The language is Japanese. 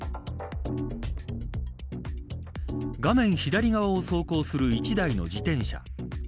画面左側を走行する１台の自転車。